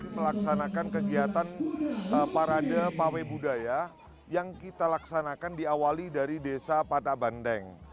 melaksanakan kegiatan parade pawe budaya yang kita laksanakan diawali dari desa pata bandeng